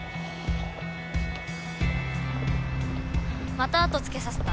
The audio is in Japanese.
また後つけさせた？